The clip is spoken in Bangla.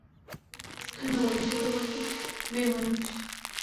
আর ভালোবাসি তোমাকে মেয়ে মানুষ!